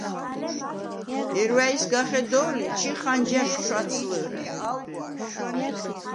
ჲერუ̂ა̈ჲ სგა ხედო̄ლი, ჩი ხანჯარშუ̂ ჩუ̂’აცლჷ̄რე.